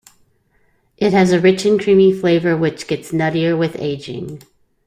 It has a rich and creamy flavor which gets nuttier with aging.